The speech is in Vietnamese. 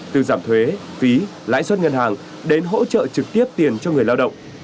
từ giảm thuế phí lãi suất ngân hàng đến hỗ trợ trực tiếp tiền cho người lao động